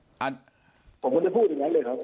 ผมก็จะพูดอย่างนั้นเลยครับ